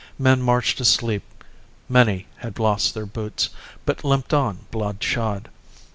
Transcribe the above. Men marched asleep. Many had lost their boots, But limped on, blood shod.